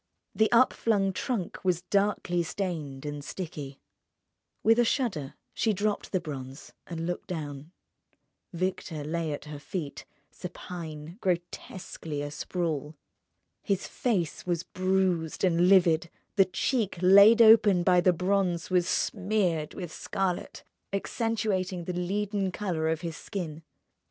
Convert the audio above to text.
The up flung trunk was darkly stained and sticky.... With a shudder she dropped the bronze, and looked down. Victor lay at her feet, supine, grotesquely asprawl. His face was bruised and livid; the cheek laid open by the bronze was smeared with scarlet, accentuating the leaden colour of his skin.